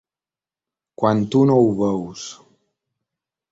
Quan tu no ho veus.